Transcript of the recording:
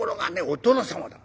お殿様だ。